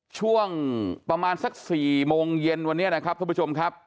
ช่วงประมาณสัก๔โมงเย็นวันนี้นะครับท่านผู้ชมครับ